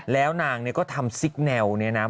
แล้วนางก็ทำสิคแนวเนี่ยนะ